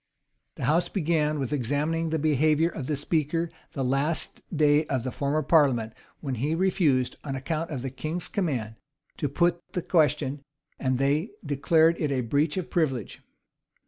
[*] The house began with examining the behavior of the speaker the last day of the former parliament; when he refused, on account of the king's command, to put the question: and they declared it a breach of privilege.